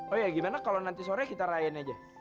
oh ya gimana kalau nanti sore kita rayain aja